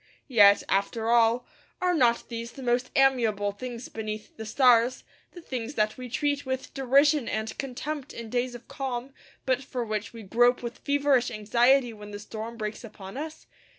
Yet, after all, are not these the most amiable things beneath the stars, the things that we treat with derision and contempt in days of calm, but for which we grope with feverish anxiety when the storm breaks upon us?